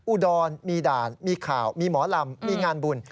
อุดรมีด่านมีข่าวมีหมอลำมีงานบุญ